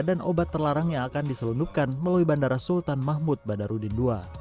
dan obat terlarang yang akan diselundupkan melalui bandara sultan mahmud badarudin dua